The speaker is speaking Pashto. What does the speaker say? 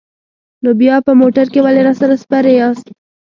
نو بیا په موټر کې ولې راسره سپرې یاست؟